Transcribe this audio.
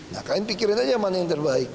nah kalian pikirin aja mana yang terbaik